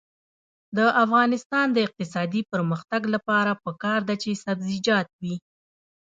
د افغانستان د اقتصادي پرمختګ لپاره پکار ده چې سبزیجات وي.